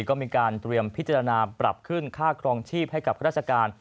ก็มีการเตรียมพิจารณาปรับขึ้นค่าครองชีพให้กับข้าราชการ